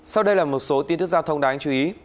sau đây là một số tin tức giao thông đáng chú ý